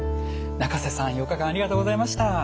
仲瀬さん４日間ありがとうございました。